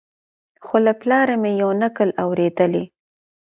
خو له پلاره مي یو نکل اورېدلی